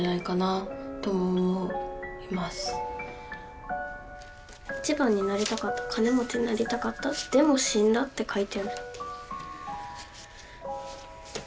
「いちばんになりたかったかねもちになりたかったでもしんだ」って書いてある。